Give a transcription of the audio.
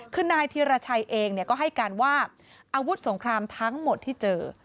คือนายธีรชัยเองก็ให้การว่าอาวุธสงครามทั้งหมดที่เจอ